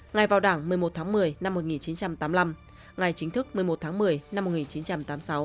ngày vào đảng một mươi một tháng một mươi năm một nghìn chín trăm tám mươi năm ngày chính thức một mươi một tháng một mươi năm một nghìn chín trăm tám mươi sáu